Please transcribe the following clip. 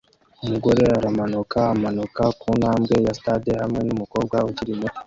Umugore aramanuka amanuka kuntambwe ya stade hamwe numukobwa ukiri muto